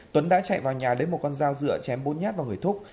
tuấn đã chạy vào nhà lấy một con dao dựa chém bốn nhát vào người thúc